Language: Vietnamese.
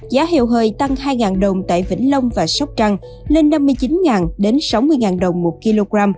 giá heo hơi tăng hai đồng tại vĩnh long và sóc trăng lên năm mươi chín sáu mươi đồng một kg